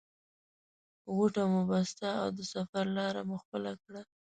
غوټه مو بسته او د سفر لاره مو خپله کړه.